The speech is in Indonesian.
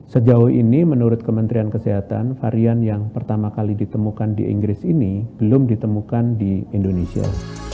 sejauh ini menurut kementerian kesehatan varian yang pertama kali ditemukan di inggris ini belum ditemukan di indonesia